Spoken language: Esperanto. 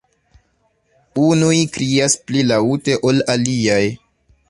Unuj krias pli laŭte ol aliaj.